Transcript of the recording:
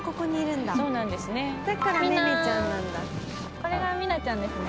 これがみなちゃんですね